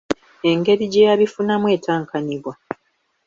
Engeri gye yabifunamu etankanibwa.